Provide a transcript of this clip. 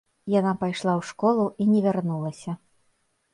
Яна пайшла ў школу і не вярнулася.